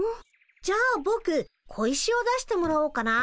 じゃあぼく小石を出してもらおうかな。